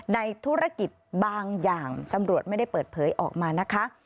ในธุรกิจบางอย่างตำรวจไม่ได้เปิดเผยออกมานะคะ